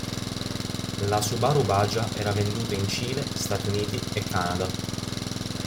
La Subaru Baja era venduta in Cile, Stati Uniti e Canada.